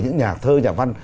những nhà thơ nhà văn